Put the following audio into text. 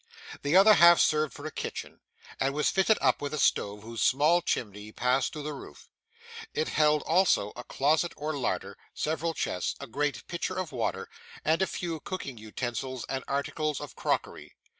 The other half served for a kitchen, and was fitted up with a stove whose small chimney passed through the roof. It held also a closet or larder, several chests, a great pitcher of water, and a few cooking utensils and articles of crockery.